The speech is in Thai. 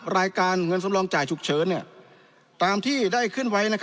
รายการเงินสำรองจ่ายฉุกเฉินตามที่ได้ขึ้นไว้